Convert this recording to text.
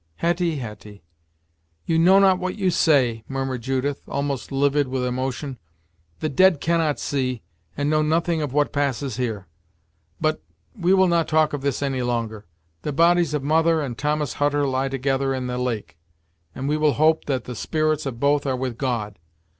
"Hetty Hetty you know not what you say!" murmured Judith, almost livid with emotion "The dead cannot see, and know nothing of what passes here! But, we will not talk of this any longer. The bodies of Mother and Thomas Hutter lie together in the lake, and we will hope that the spirits of both are with God.